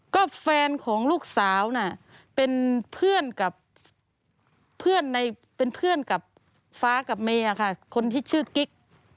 ก็แฟนของลูกสาวเป็นเพื่อนกับฟ้ากับเมค่ะคนที่ชื่อกิ๊ก